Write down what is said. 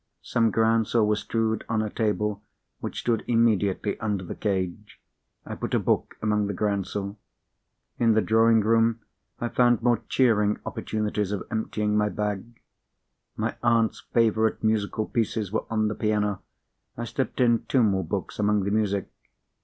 Some groundsel was strewed on a table which stood immediately under the cage. I put a book among the groundsel. In the drawing room I found more cheering opportunities of emptying my bag. My aunt's favourite musical pieces were on the piano. I slipped in two more books among the music.